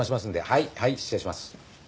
はいはい失礼します。